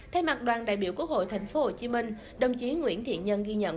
thay mặt đoàn đại biểu quốc hội tp hcm đồng chí nguyễn thiện nhân ghi nhận